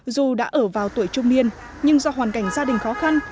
dù đã ở vào tuổi trung niên nhưng do hoàn cảnh gia đình khó khăn